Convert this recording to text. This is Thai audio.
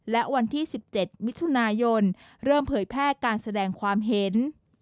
และวันที่๑๗มิถุนายนเริ่มเผยแพร่การแสดงความเห็น